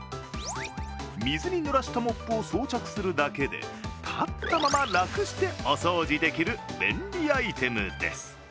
水にぬらしたモップを装着するだけで立ったまま楽してお掃除できる便利アイテムです。